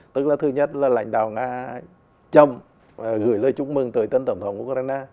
tức là thứ nhất là lãnh đạo nga châm gửi lời chúc mừng tới tân tổng thống của ukraine